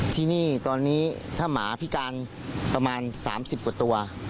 ที่นี่ตอนนี้ถ้าหมาพิการประมาณ๓๐กว่าตัว